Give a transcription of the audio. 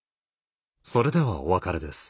それではお別れです。